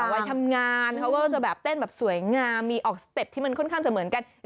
วัยทำงานเขาก็จะแบบเต้นแบบสวยงามมีออกสเต็ปที่มันค่อนข้างจะเหมือนกัน